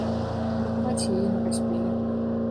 Уратаваць яе не паспелі.